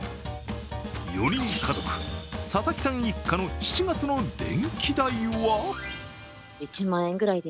４人家族、佐々木さん一家の７月の電気代は？